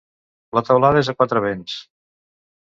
La teulada és a quatre vents.